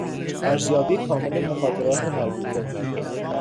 ارزیابی کامل مخاطرات مربوطه